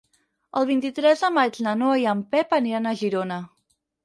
El vint-i-tres de maig na Noa i en Pep aniran a Girona.